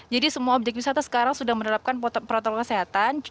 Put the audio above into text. jadi semua objek wisata sekarang sudah menerapkan protokol kesehatan